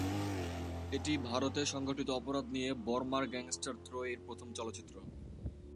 এটি ভারতে সংগঠিত অপরাধ নিয়ে বর্মার গ্যাংস্টার ত্রয়ীর প্রথম চলচ্চিত্র।